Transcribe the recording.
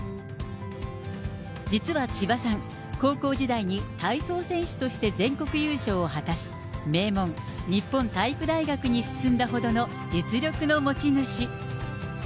実は千葉さん、高校時代に体操選手として全国優勝を果たし、名門、日本体育大学に進んだほどの実力の持ち主。